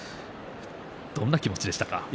どんな気持ちでしたか？